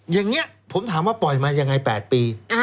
อย่างนี้ผมถามว่าปล่อยมายังไง๘ปี